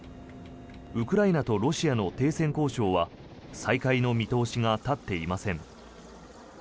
ウクライナとロシアの停戦交渉は再開の見通しが立っていません。